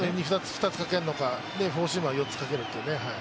２つかけるのか、フォーシームは４つかけるという。